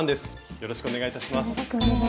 よろしくお願いします。